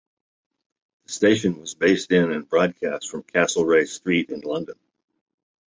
The station was based in and broadcast from Castlereagh Street in London.